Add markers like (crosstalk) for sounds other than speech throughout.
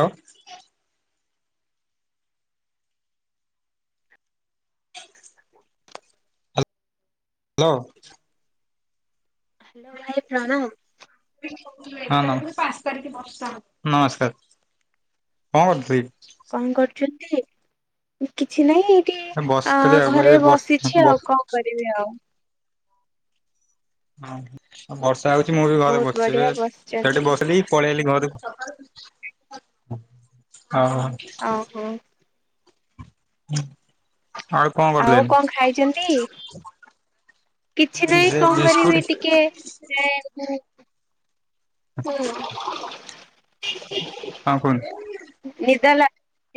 ଆଉ (inaudible) hello. Hello ଭାଇ ପ୍ରଣମ୍। ହଁ ମସ୍ ନମସ୍କାର। କଣ କରୁଥିଲେ କି? କଣ କରୁଛନ୍ତି? କିଛି ନାହିଁ ଏଇଠି ବସିଥିଲି ଅ ଆଉ ଏ ଘରେ ବସ ବସିଛି ବସ ଆଉ କଣ କରିବି ଆଉ। ହଁ ଆଉ ବର୍ଷା ହେଉଛି ମୁଁ ବି ଘରେ ବହୁତ ବସିଛି ଏବେ ବଢିଆ ସେଠି ବସିଛନ୍ତି ବସିଲି ପଳେଇଲି ଘରୁ ହଉ ଓହୋ। ହ ଆଉ କଣ କଣ ଖାଇଛନ୍ତି? କରିଥିଲେ? କିଛି ନାହିଁ କଣ କରିବି ଟିକେ ହୁଁ। ହଁ କୁହନ୍ତୁ। ନିଦ ଲା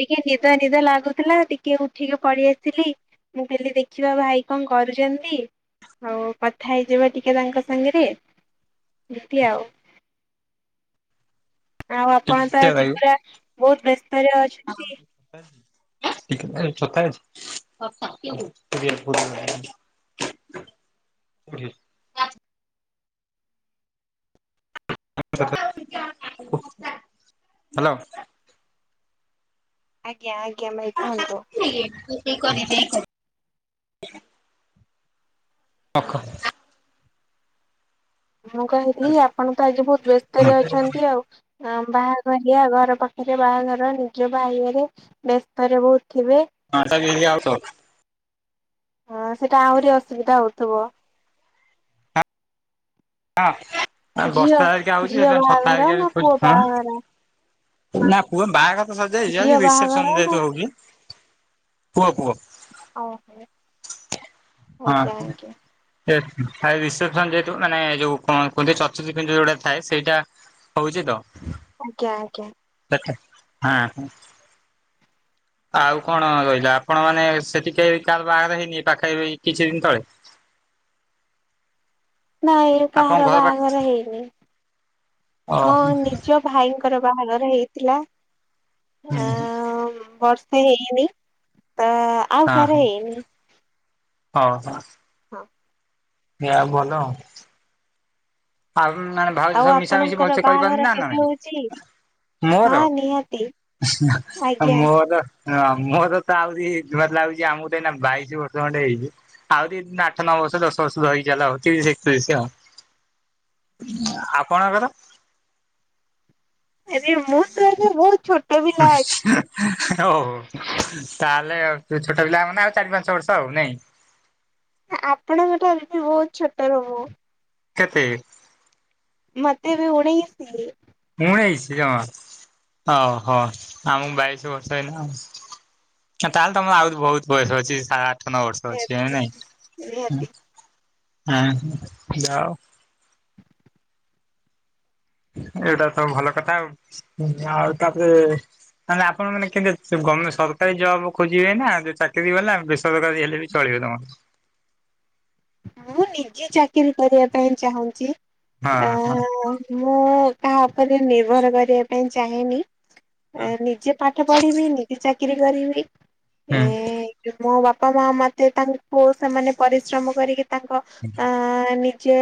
ଟିକେ ନିଦ ନିଦ ଲାଗୁଥିଲା ଟିକେ ଉଠିକି ପଡି ଆସିଲି। ମୁଁ କହିଲି ଦେଖିବା ଭାଇ କଣ କରୁଛନ୍ତି? ହଉ କଥା ହେଇଯିବ ଟିକେ ତାଙ୍କ ସାଙ୍ଗରେ ଏମିତି ଆଉ। ଆଉ ଆପଣ ତ ଟିକେ ଆଜି ପୁରା ବହୁତ ବ୍ୟସ୍ତରେ ଅଛ (inaudible) (unintelligible) କୋଉଠି? (unintelligible) ହ୍ୟାଲୋ। ଆଜ୍ଞା ଆଜ୍ଞା ଭାଇ କୁହନ୍ତୁ। (unintelligible) ପାଖ ମୁଁ କହିଲି ଆପଣ ତ ଆଜି ବହୁତ ବ୍ୟସ୍ତରେ ଅଛନ୍ତି ଆଉ। ହଁ ବାହାଘରିଆ ଘର ପାଖରେ ବାହାଘର ନିଜ ଭାଇ ଘରେ ବେସ୍ତରେ ବହୁତ ଥିବେ। (unintelligible) ହଁ ସେଟା ଆହୁରି ଅସୁବିଧା ହଉଥିବ। ହଁ ଝିଅ ବର୍ଷା ହେରିକା ହଉଛି ଝିଅ ସେଥିପାଇଁ ଛତା ବାହାଘର ହରିକା ବି ନା ପୁଅ ବାହାଘର ଖୋ--ହୁଁ। ନା ପୁଅ ବାହାଘର ତ ସଜାଇଛି ଝିଅ ଆଜି ବାହାଘର ରିସେପସନ ନା ଯେହେତୁ ହଉଛି। କୁହ କୁହ ଓହୋ ଆଜ୍ଞା ଆଜ୍ଞା। ସେ ରିଷେପସନ ଯେହତୁ ମାନେ ଯୋଉ କଣ କୁହନ୍ତି ଚତୁର୍ଥୀ ପିଣ୍ଡ ଯୋଉଟା ଥାଏ ସେଇଟା ହଉଛି ତ ଆଞା ଆଜ୍ଞା। ସେଠେ ହଁ। ଆଉ କଣ ରହିଲା ଆପଣ ମାନେ ସେଠିକି କେହି କେବେ ବାହାଘର ହେଇନି ପାଖରେ କିଛି ଦିନ ତଳେ ନାଇଁ ଆପଣଙ୍କ କାହାର ଘର ପାଖ ବାହାଘର ହେଇନି ଓହୋ ମୋ ହୁଁ ନିଜ ଭାଇଙ୍କର ବାହାଘର ହେଇଥିଲା। ହୁଁ ହୁଁ। ତ ବର୍ଷେ ହେଇନି ତ ଆଉ କାହାର ହେଇନି। ଓହୋ। ହଁ। ଏ ଆଉ ଭଲ? ଆପଣ ମାନେ ଭାଉଜ ଆଉ ସହ ମିଶାମିଶି ଆପଣଙ୍କର ଭଲସେ ବାହାଘର କରିପାରନ୍ତିିନା କେବେ ନାଇଁ? ହଉଛି? ମୋର ହଁ ନିହାତି ଆ ଆଜ୍ଞା ମୋର ଅ ମୋରତ ଆଉରି ଲାଗୁଛି ଆମକୁ ତ ଏଇନା ବାଇଶି ବର୍ଷ ଖଣ୍ଡେ ହେଇଚି। ଆହୁରି ଆଠ ନଅ ବର୍ଷ ଦଶ ବର୍ଷ ଧରିଚାଲ ଆଉ ତିରିଶି ଏକତିରିଶି ଆଉ। ଆପଣଙ୍କର? ଆରେ ମୁଁତ ଏବେ ବହୁତ୍ ଛୋ ଆଚ୍ଛା। ଓହୋ ତାହେଲେ ଆ ତୁଛୋଟ ପିଲାମାନେ ଆଉ ଚାରି ପାଞ୍ଚ ବର୍ଷ ଆଉ ନାଇଁ? ଆପଣଙ୍କ ଠାରୁବି ବହୁତ୍ ଛୋଟ ହେବି ମୁଁ। କେତେ? ମତେ ଏବେ ଉଣେଇସି। ଉଣେଇସି ଜମା ଓହୋ ଆମକୁ ବାଇଶ ବର୍ଷ ଏଇନା ଆଉ। ତାହଲେ ତମର ଆଉ ବହୁତ୍ ବୟସ ଅଛି ସା ଆଠ ନଅ ବର୍ଷ ଅଛି ନିହାତି ନାଇଁ ନିହାତି। ଉହୁଁ ଯାହଉ ଏଇଟାତ ଭଲ କଥା ଆଉ ତାପରେ ମାନେ ଆପଣମାନେ କେ ଗମେ ସରକାରୀ ଜବ୍ ଖୋଜିବେନା ଚାକିରୀ ବାଲା ବେସରକାରୀ ହେଲେ ବି ଚଳିବ ତମର। ମୁଁ ନିଜେ ଚାକିରି କରିବା ପାଇଁ ଚାହୁଁଚି ହଁ ହଁ ଅ ମୁଁ କାହା ଉପରେ ନିର୍ଭର କରିବା ପାଇଁ ଚାହେଁନି ହଁ ନିଜେ ପାଠ ପଢିବି ନିଜେ ଚାକିରି କରିବି। ଏ ହୁଁ। ମୋ ବାପା ମା ମତେ ତାଙ୍କ ପୁଅ ସେମାନେ ପରିଶ୍ରମ କରିକି ତାଙ୍କ ଅ ଯେ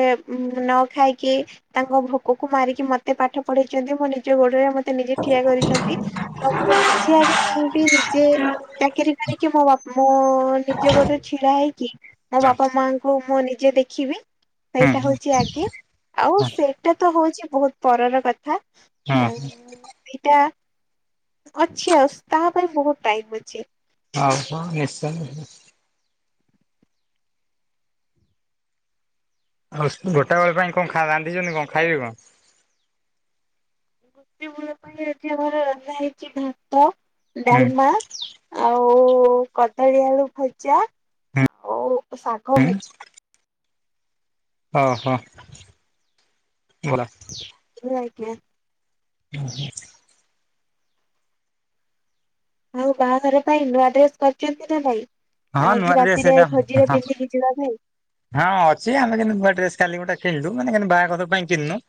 ନଖାଇକି ତାଙ୍କ ଭୋକକୁ ମାରିକି ମତେ ପାଠ ପଢେଇଛନ୍ତି ମୋ ନିଜ ଗୋଡ଼ରେ ମତେ ନିଜେ ଠିଆ କରିଛନ୍ତି ତ ମୁଁ ନିଜେ ଆଗେ ଚାହିଁବି ନିଜେ ଚାକିରୀ କରିକି ମୋ ବାପା ମୋ ନିଜ ଗୋଡ଼ରେ ଛିଡା ହେଇକି ମୋ ହଁ ବାପା ମାଙ୍କୁ ମୁଁ ନିଜେ ଦେଖିବି ହୁଁ ସେଇଟା ହୁଁ ହଉଚି ଆଗେ ଆଉ ସେ ସେଇଟା ତ ହଉଚି ବହୁତ୍ ପରର କଥା ହଁ ହଁ। ଏଇଟା ଅଛି ଆ ତାପାଇଁ ବୋହୁତ୍ ଟାଇମ୍ ଅଛି। ଆଉ କଣ ନିଶ୍ଚୟ ଆଉ ଗୋଟା ବେଳେ ପାଇଁ କଣ ରାନ୍ଧିଛନ୍ତି କଣ ଖାଇବେ କଣ? ଗୋଟେ ବେଳ ପାଇଁ ଆଜି ଆମର ରନ୍ଧା ହେଇଚି ଭାତ ହୁଁ ଡ଼ାଲମା ଆଉ କଦଳୀ ଆଳୁ ଭଜା ଆଉ ଶାଗ ହୁଁ ଭଜା। ଓହୋ ବୋଲା ହଉ ଆଜ୍ଞା। ଉଁ ହୁଁ। ଆଉ ବାହାଘର ପାଇଁ ନୂଆ ଡ୍ରେସ୍ କରିଛନ୍ତି ନା ନାଇଁ ହଁ ନୂଆ ଆଜି ଡ୍ରେସ ରାତିରେ ଏଇଟା ଭୋଜିରେ ହଁ ପିନ୍ଧିକି ଜିବାକୁ ହଁ ଅଛି ଆମେ କିନ୍ତୁ ନୂଆ ଡ୍ରେସ୍ କାଲି ଗୋଟେ କିଣିଲୁ ମାନେ କିନ୍ତୁ ବାହାଘର ପାଇଁ କିଣିନୁ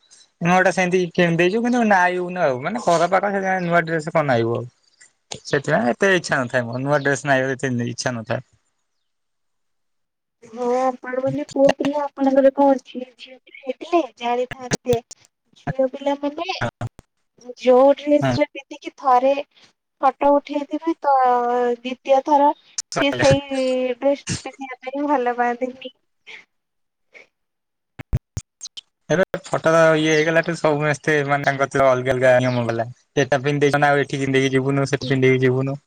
ନୂଆଟା ସେମିତି କେଣି ଦେଇଛୁ କିନ୍ତୁ ନାଇବୁନୁ ଆଉ ମାନେ ଘରପାଖରେ ସେଇଥିପାଇଁ ନୂଆ ଡ୍ରେସ୍ କଣନାଇବୁ ଆଉ। ସେଥିପାଇଁ ଏତେ ଇଚ୍ଛା ନଥାଏ ମୋର ନୂଆ ଡ୍ରେସ୍ ନାଇବାକୁ ଏତେ ଇଚ୍ଛା ନଥାଏ। ହଁ ଆପଣ ବୋଲି ପୁଅ ପିଲା ଆପଣଙ୍କରକଣ ଅଛି ଝିଅଟିଏ ହେଇଥିଲେ ଜାଣିଥାନ୍ତେ। ଝିଅ ପିଲା ମାନେ ଯୋଉ ଡ୍ରେସ୍ ଟା ପିନ୍ଧିକି ଥରେ ଫଟୋ ଉଠେଇଥିବେତ ଦି ଦ୍ଵିତୀୟ ଥର ସିଏ ହଁ ସେଇ ଡ୍ରେସ ପିନ୍ଧିବା ପାଇଁ ଭଲ ପାଆନ୍ତିନି। ଏବେ ଫଟୋ ତ ଇଏ ହେଇଗଲା ଠୁ ସମସ୍ତେ ମାନେ ଅଲଗା ଅଲଗାଲା ସେଟା ପିନ୍ଧ ଆଉ ଏଠିନ୍ଧିକି ଯିବୁନୁ ସେଠି ପିନ୍ଧିକି ଯିବୁନୁଁ।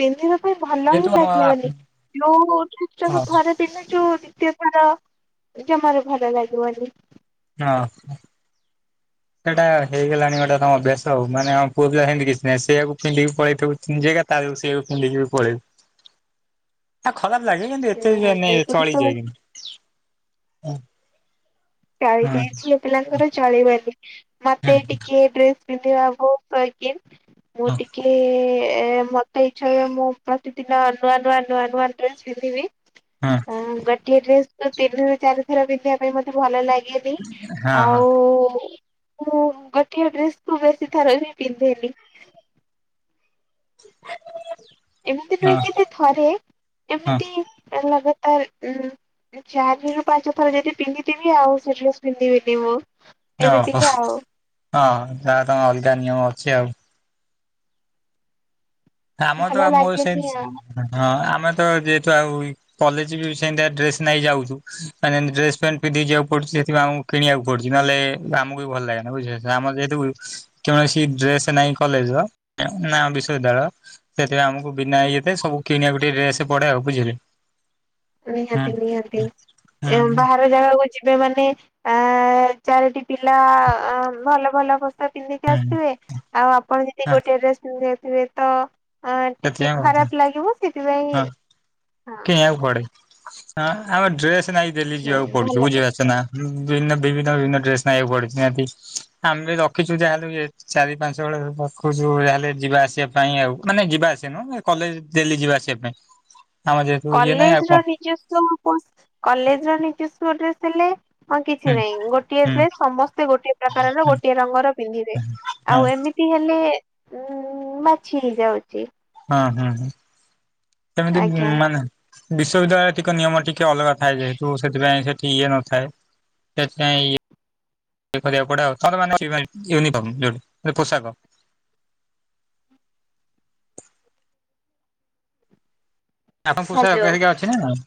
ପିନ୍ଧିବା ପାଇଁ ଭଲ ହିଁ ଯେହେତୁ ଆମ ଲାଗିବନି ଯୋଉ ଟା ହଁ ଥରେ ପିଲ ଯୋଉ ଦ୍ୱିତୀୟ ଥର ଜମାରୁ ଭଲ ଲାଗିବନି। ହଁ। ସେଇଟା ହେଇଗଲାଣି ଗୋଟେ ତମ ବ୍ୟାସ ହଉ ମାନେ ଆ ପୁଅ ପିଲାଙ୍କର ସେମତି କିଛି ନାହିଁ ସେଇକୁ ପିଧିକି ପଳେଇଥିବୁ ଯା ତାକୁ ସେୟାକୁ ପିଧିକି ପଳେଇବୁ। ଆ ଖରାପ ଲାଗେ କିନ୍ତୁ ଏତେନେ ଚଳିଯାଏ କିନ୍ତୁ। ହୁଁ ଚଳି ହୁଁ ଯାଏଁ ଝିଅ ପିଲାଙ୍କର ଚଳିବନି ମତେ ଟିକେ ଡ୍ରେସ୍ ପିନ୍ଧିବାକୁକ ମୁଁ ଟିକେ ମ ସେଇ ୟ ମୁଁ ପ୍ରତିଦିନ ନୂଆ ନୂଆ ନୂଆ ନୂଆ ଡ୍ରେସ ପିନ୍ଧିବି। ହଁ ଗୋଟିଏ ଡ୍ରେସ୍ ତିନି ରୁ ଚାରିଥର ପିନ୍ଧିବା ପାଇଁ ମତେ ଭଲ ଲାଗେ। ନି ହଁ ହଁ ଆଉ ମୁଁ ଗୋଟିଏ ଡ୍ରେସ କୁ ବେଶୀ ଥର ହିଁ ପିନ୍ଧେନି। ଏମିତି ନୁହେଁ ହଁ କି ଥରେ ହଁ ଏମିତି ଲଗାତାର ଉଁ ଚାରି ରୁ ପାଞ୍ଚ ଥର ଯଦି ପିନ୍ଧିଥିବି ଆଉ ସେ ଡ୍ରେସ ପିନ୍ଧିବିନି ମୁଁ। ଓହୋ ଏମିତିକା ଆଉ। ହଁ ଯାହା ତମ ଅଲଗା ନିୟମ ଅଛି ଆଉ। ଆମର ତ ଭଲ ଆ ମୋର ଲାଗେନି ସେମିତି ଆଉ ହଁ ଆମେ ତ ଯେହେତୁ ଆଉ କଲେଜ ବି ସେମିତିଆ ଡ୍ରେସ ନେଇ ଯାଉ। ମାନେ ଡ୍ରେସ ପ୍ୟାଣ୍ଟ ପିଧିବାକୁ ଯିବାକୁ ପଡୁଛି ସେଥିପାଇଁ ଆକୁ କିଣିବାକୁ ପୁଛି ନହେଲେ ଆମକୁ ବି ଭଲ ଲାଗେନ ବଝିଲେ। ଆମର ଯେଠୁ କୌଣସି ଡ୍ରେସ ନାହିଁ କଲେଜ ନା ବିଶ୍ୱବିଦ୍ୟାଳୟ ସେଥିପାଇଁ ଆମ ବିନା ଏଇରେ ସବୁ କିଣିବାକୁ ଟିକେ ଡ୍ରେସ ପଡେ ବୁଝିଲେ। ହୁଁ ନିହାତି ନିହାତି ହୁଁ ବା- ଜାଗାକୁ ଯିବେ ମାନେ ଆ ଚାରିଟି ପିଲା ଭଲ ଭଲ ପିନ୍ଧିକି ହୁଁ ଆସିବେ ଆଉ ଆପଣ ଯଦି ହଁ ଗୋଟେ ଡ୍ରେସ ପିନ୍ଧିଥିବେ ତ ଅ ଟିକେ ସେଥିପାଇଁ କଥା ଖରାପ ଲାଗିବ ସେଥିପାଇଁ କୁ ପଡେଁ ଆମ ଡ୍ରେସ ନାଇଁ ଦେଲି ହଁ ହଁ ଯିବାକୁ ପଡୁଛି ଭଲ ବୁଝିପାରୁଛେ ନା? ବିନ୍ନ ବିଭିନ୍ନ ବିଭିନ୍ନ ଡେସ ନ ଏ ପଡେତି ଆମେ ବି ରଖିଛୁ ଯାହାଲେ ଚାରି ପାଞ୍ଚ ବଳ ରଖଛୁ ଯାହାେଲେ ଯିବା ଆସିବା। ପାଇଁ ଆଉ ମାନେ ଯିବା ଆସିବା ନୁହଁ କଲେଜ ଡଲି ଯିବା ଆସିବା ପାଇଁ। ଆମର ଯେହେତୁ ଇଏ ନାହିଁ ଆଉ କଲେଜ ର କଣ ନିଜସ୍ କଲେଜ ର ନିଜସ୍ୱ ଡ୍ରେସ ହେଲେ ହଁ କିଛି ହୁଁ ନାହିଁ ଗୋଟିଏ ହୁଁ ଡ୍ରେସ ସମସ୍ତେ ଗୋଟିଏ ପ୍ରକାରର ଗୋଟିଏ ରଙ୍ଗର ପିନ୍ଧିବେ ହଁ ଆଉ ଏମିତି ତି ହେଲେ ଉ ମାଛି ହେଇଯାଉଛି। ହଁ ହୁଁ ହୁଁ ସେମିତି ଆଜ୍ଞା। ମାନେ ବିଶ୍ୱବିଦ୍ୟାଳୟରେ ଟିକେ ନିୟମ ଟିକେ ଅଲଗା ଥାଏ ଯେହେତୁ ସେଥିପାଇଁ ସେଠି ଇଏ ନଥାଏ। ସେଥିପାଇଁ ଇୟେ କରିବାକୁ ପଡେ ଥରେ ମାନେ ୟୁନିଫର୍ମ ଯୋ ପୋଷାକ ଆପଣଙ୍କର ପୋଷାକ ହ୍ୟାଲୋ ହେରିକା ଅଛି ନା ନାହିଁ?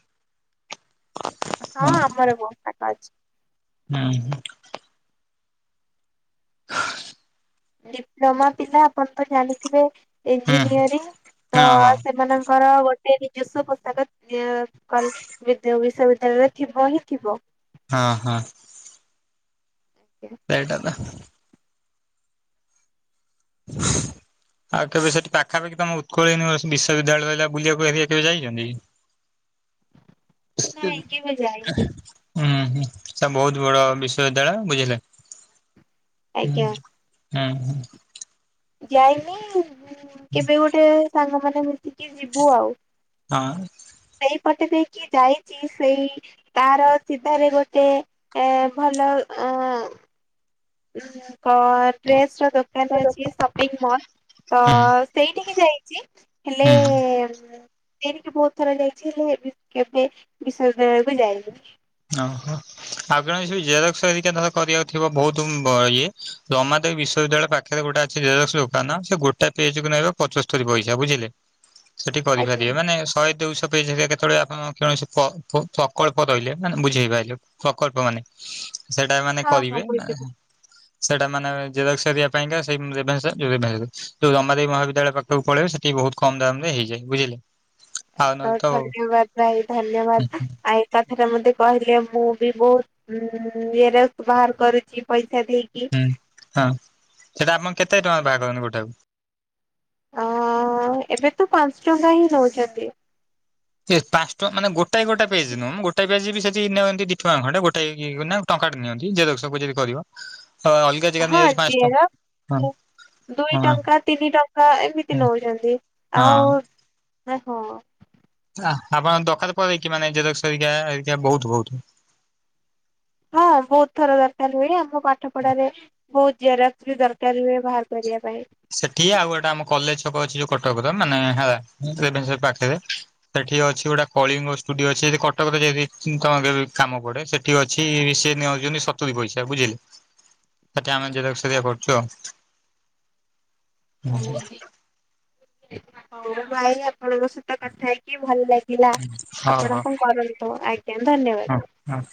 ହଁ ଆମର ବହୁତ ଜାଗା ଅଛି। ହୁଁ। ଡିପ୍ଲୋମା ପିଲା ଆପଣ ତ ଜାଣିଥିବେ? ହୁଁ ଇଞ୍ଜିନିୟରିଂ ତ ହଁ ହଁ। ସେମାନଙ୍କର ଗୋଟେ ସେ ନିଜସ୍ଵ ପୋଷାକ ବିଶ୍ୱବିଦ୍ୟାଳୟରେ ଥିବ ହିଁ ଥିବ ହଁ ହଁ। ସେଇଟା ତ ଆଉ କେବେ ସେଠି ପାଖାପାଖି ତମ ଉକଳ ୟୁନିଭର୍ସିଟି ବିଶ୍ୱବିଦ୍ୟାଳୟ ହେଲା ବୁଲିବାକୁ କେବେ ଯାଇଛନ୍ତି? ନାଇଁ କେବେ (inaudible) ଯାଇନି ହୁଁ ହୁଁ ସେ ବହୁତ ବଡ ବିଶ୍ୱବିଦ୍ୟାଳୟ ଆଜ୍ଞା। ବୁଝିଲେ? ଅଁ, ହଁ। ଯାଇନି, ମୁଁ କେବେ ଗୋଟେ ସାଙ୍ଗ ମାନେ ମିଶି କି ଯିବୁ ଆଉ, ହଁ ସେଇପଟେ ଦେଇକି ଯାଇଚି, ସେଇ ତାର ସିଧାରେ ଗୋଟେ ଏ ଭଲ ଅଁ, (inaudible) ପ-ଡ୍ରେସ୍ ର ଦୋକାନ ଅଛି, ସପିଂ ମଲ୍ ତ ହୁଁ ସେଇଠିକି ଯାଇ ଚି, ହେଲେ ହୁଁ ତେରିକି ବହୁତ ଥର ଯାଇଛି ହେଲେ ବି କେବେ (unintelligible) ଯାଇନି ଓ ହୋ। ଆପଣଙ୍କୁ କିଛି ଯଦି ଜେରକ୍ସ ହେରିକା ଧର କରିବା ଥିବ ବହୁତୁ ବ- ଇଏ ରମାଦେବୀ ବିଶ୍ୱବିଦ୍ୟାଳୟ ପା ଖରେ ଗୋଟେ ଅଛି ଜେରକ୍ସ ଦୋକାନ ସେ ଗୋଟା ପେଜ୍ କୁ ନେବେ ପଞ୍ଚସ୍ତରୀ ପଇସା ବୁଝିଲେ। ସେଠି ଆଜ୍ଞା କରିପାରିବେ ମାନେ ଶହେ ଦୁଇଶହ ପେଜ୍ ହେରିକା କେତେବେଳେ ଆପଣ କୌଣସି ପ-ପ-ସକଳ୍ପ ରହିଲେ। ମାନେ ବୁଝେଇ ପାଇଲୁ ପ୍ରକଳ୍ପ ମାନେ ସେଇଟା ମାନେ ହଁ ହଁ କରିବେ ବୁଝିଲି। ନାହା। ସେଇଟା ମାନେ ଜେରକ୍ସ ହେରିକା ପାଇଁକା ସେଇ ଉଁ, ରେଭେନ୍ସା ଯୋଉ ରେଭେନ୍ସା କହୁଛି ରମାଦେବୀ ମହାବିଦ୍ୟାଳୟ ପାଖ ସବୁ ପଳେଇବେ ସେଠି ବହୁତ କମ ଦାମ ରେ ହେଇଯାଏ ବୁଝିଲେ। ଆଉ ତ ନହେଲେ ହୁଁ ଧନ୍ୟବାଦ ଭାଇ ଧନ୍ୟବାଦ, ଆଇ କଥାଟା ମୋତେ କହିଲେ ମୁଁ ବି ବହୁତ ଉଁ, ଇଏରେ ବାହାର କରୁଛି ପଇସା ଦେଇ ହୁଁ, ହଁ ସେଟା ଆପଣ କେତେ ଟଙ୍କା ବାହାର କରନ୍ତି ଗୋଟାକୁ? ଅ, ଏବେ ତ ପାନ୍ସ ଟଙ୍କା ହିଁ ନଉଛନ୍ତି। ସିଏ ପାନ୍ସ ଟଙ୍କା ମାନେ ଗୋଟାଏ ଗୋଟା ପେଜ୍ ନୁହଁ, ମୁଁ ଗୋଟାଏ ପେଜ୍ ବି ସେଠି ନେଅନ୍ତି ଦି ଟଙ୍କା ଖଣ୍ଡେ ଗୋଟାଇ କି (inaudible) ନା ଟଙ୍କାଟେ ନିଅନ୍ତି ଜେରକ୍ସ ସବୁ ଯଦି କରିବ, ଅ, ଅଲ ହଁ (unintelligible) ଦୁଇ ହଁ ଟଙ୍କା ତିନି ଟଙ୍କା ଏମିତି ହୁଁ ନଉଛନ୍ତି, ଆଉ ହଁ ନା ହଁ। ଆଃ, ଆପଣ ଦରକାର ପଡ଼େକି ମାନେ ଏ ଜେରକ୍ସ ହରିକା ଏଇ ଯା ବହୁତୁ ବହୁତୁ। ହଁ ବହୁତ ଥର ଦରକାର ହୁଏ, ଆମ ପାଠ ପଢାରେ ବହୁତ ଜେରକ୍ସ ବି ଦରକାର ହୁଏ ବାହାର କରିବା ପାଇଁ। ସେଠି ଆଉ ଗୋଟା ଆମ କଲେଜ୍ ଛକ ଅଛି ଯୋଉ କଟକର ମାନେ ହେଲା (unintelligible) ପାଖରେ। ସେଠି ଅଛି ଗୋଟେ କଳିଙ୍ଗ ଷ୍ଟୁଡିଓ ଅଛି ଯଦି କଟକରେ ଯଦି ଉଁ, ତୋମର କେବେ କାମ ପଡେ ସେ ଠି ଅଛି ସିଏ ନେଉଚନ୍ତି ସତୁରି ପଇସା ବୁଝିଲେ, ସେଠି ଆମେ ଜେରକ୍ସ ହରିକା କରୁଛୁ ଆଉ। (inaudible) ହଉ ଭାଇ ଆପଣଙ୍କ ସହିତ କଥା ହେଇକି ଭଲ ଲାଗ ଗିଲା, ହଁ ଆପଣ ହଁ। କଣ କରନ୍ତୁ, ଆଜ୍ଞା ଧନ୍ୟବାଦ। ହଁ ହଁ।